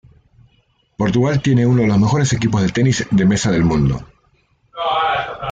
Portugal tiene uno de los mejores equipos de tenis de mesa del mundo.